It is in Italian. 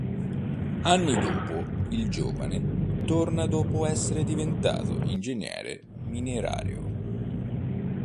Anni dopo, il giovane torna dopo essere diventato ingegnere minerario.